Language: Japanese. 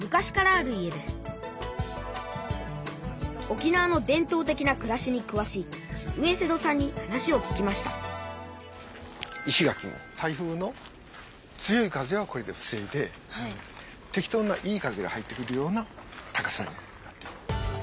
沖縄の伝とう的なくらしにくわしい上勢頭さんに話を聞きました石垣も台風の強い風はこれでふせいでてき当ないい風が入ってくるような高さになってる。